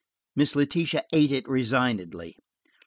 Miss Letitia ate it resignedly.